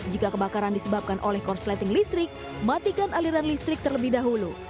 jika kebakaran disebabkan oleh korsleting listrik matikan aliran listrik terlebih dahulu